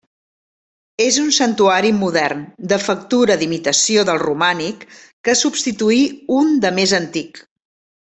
És un santuari modern, de factura d'imitació del romànic, que substituí un de més antic.